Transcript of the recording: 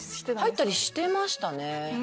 入ったりしてましたね。